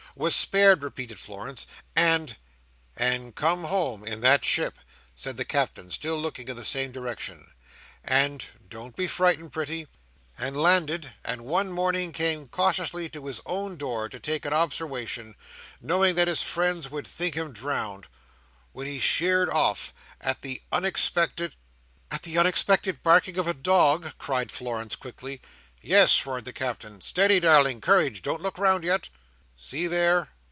"Was spared," repeated Florence, "and—?" "And come home in that ship," said the Captain, still looking in the same direction, "and—don't be frightened, pretty—and landed; and one morning come cautiously to his own door to take a obserwation, knowing that his friends would think him drownded, when he sheered off at the unexpected—" "At the unexpected barking of a dog?" cried Florence, quickly. "Yes," roared the Captain. "Steady, darling! courage! Don't look round yet. See there!